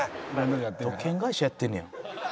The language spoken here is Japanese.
土建会社やってんねや。